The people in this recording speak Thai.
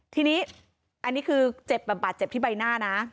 ทีนี้อันนี้คือเจ็บแบบบาดเจ็บที่ใบหน้านะ